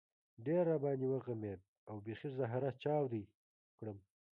ډېر را باندې وغمېد او بېخي زهره چاودی کړم.